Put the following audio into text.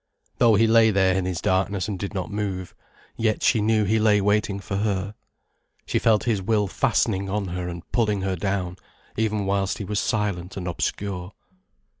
Though he lay there in his darkness and did not move, yet she knew he lay waiting for her. She felt his will fastening on her and pulling her down, even whilst he was silent and obscure.